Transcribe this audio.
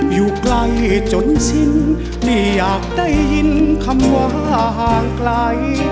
อยู่ไกลจนชิ้นไม่อยากได้ยินคำว่าห่างไกล